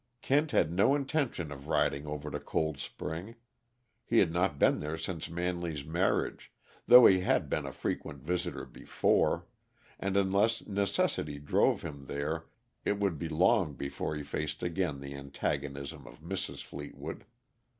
Kent had no intention of riding over to Cold Spring. He had not been there since Manley's marriage, though he had been a frequent visitor before, and unless necessity drove him there, it would be long before he faced again the antagonism of Mrs. Fleetwood.